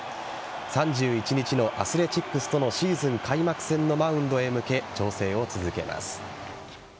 ３１日のアスレチックスとのシーズン開幕戦のマウンドへ向け調整を続けます。